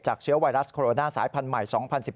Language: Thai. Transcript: เชื้อไวรัสโคโรนาสายพันธุ์ใหม่๒๐๑๙